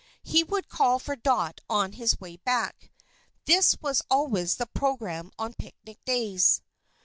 He would call for Dot on his way back. This was always the program on picnic days.